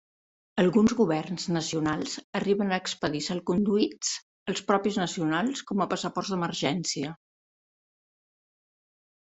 Alguns governs nacionals arriben a expedir salconduits als propis nacionals com a passaports d'emergència.